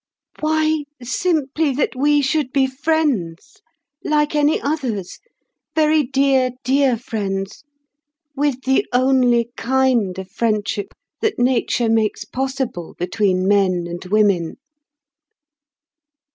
"Why, simply that we should be friends, like any others, very dear, dear friends, with the only kind of friendship that nature makes possible between men and women."